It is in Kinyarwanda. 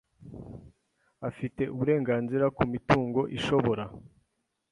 afite uburenganzira ku mitungo ishobora